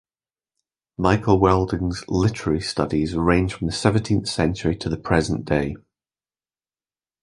Michael Wilding's literary studies range from the seventeenth century to the present day.